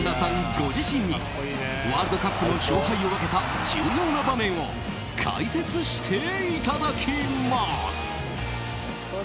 ご自身にワールドカップの勝敗を分けた重要な場面を解説していただきます！